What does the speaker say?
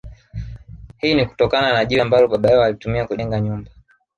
Hii ni kutokana na jiwe ambalo baba yao alitumia kujenga nyumba